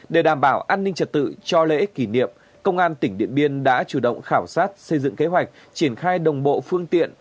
để đảm bảo an ninh trật tự cho lễ kỷ niệm công an tỉnh điện biên đã chủ động khảo sát xây dựng kế hoạch triển khai đồng bộ phương tiện